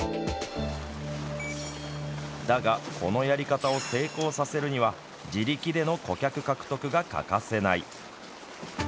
だが、このやり方を成功させるには自力での顧客獲得が欠かせない。